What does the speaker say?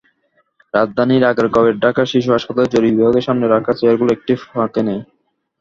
রাজধানীর আগারগাঁওয়ের ঢাকা শিশু হাসপাতালের জরুরি বিভাগের সামনে রাখা চেয়ারগুলোর একটিও ফাঁকা নেই।